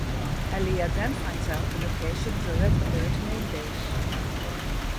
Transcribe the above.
Alia then finds out the location of Red Alert main base.